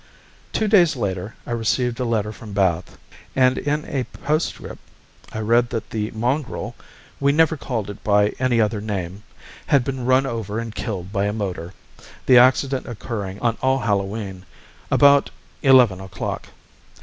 Two days later I received a letter from Bath, and in a postscript I read that 'the mongrel' (we never called it by any other name) 'had been run over and killed by a motor, the accident occurring on All Hallow E'en, about eleven o'clock.'